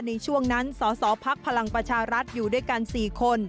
ในช่วงนั้นสสพลังประชารัฐอยู่ด้วยกัน๔คน